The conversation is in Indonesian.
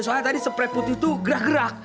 soalnya tadi sepret putih tuh gerak gerak